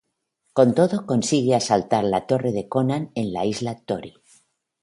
Con todo consiguen asaltar la Torre de Conan en la Isla Tory.